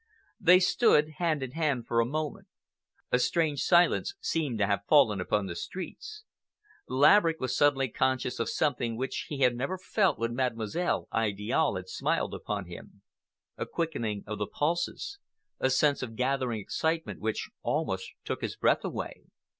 They stood hand in hand for a moment. A strange silence seemed to have fallen upon the streets. Laverick was suddenly conscious of something which he had never felt when Mademoiselle Idiale had smiled upon him—a quickening of the pulses, a sense of gathering excitement which almost took his breath away.